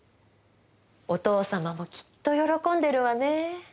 お父様もきっと喜んでるわね